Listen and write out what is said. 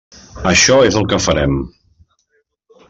Això és el que farem.